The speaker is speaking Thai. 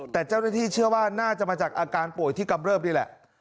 แต่เจ้าหน้าที่เชื่อว่าน่าจะมาจากอาการป่วยที่กำเริบนี่แหละ